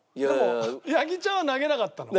八木ちゃんは投げなかったの？